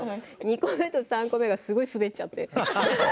２個目と３個目はすごい滑っちゃって。